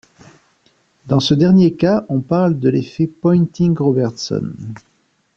Dans ce dernier cas, on parle de l'effet Poynting-Robertson.